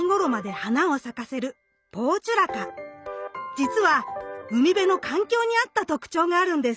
じつは海辺の環境に合った特徴があるんです。